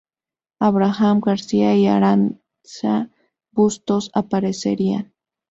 Abraham García y Arantxa Bustos aparecerían.